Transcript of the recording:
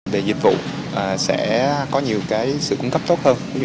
về dịch vụ sẽ có nhiều sự cung cấp tốt hơn